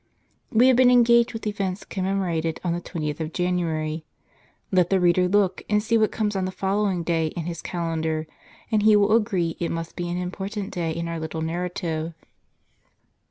We have been engaged with events commemorated on the 20th of Jan uary ; let the reader look, and see what comes on the follow ing day in his calendar, and he will agree it must be an important day in our little narrative.